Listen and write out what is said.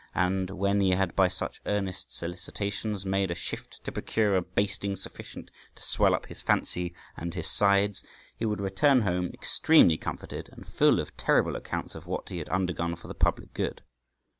And when he had by such earnest solicitations made a shift to procure a basting sufficient to swell up his fancy and his sides, he would return home extremely comforted, and full of terrible accounts of what he had undergone for the public good.